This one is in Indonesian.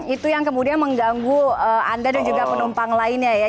itu yang kemudian mengganggu anda dan juga penumpang lainnya ya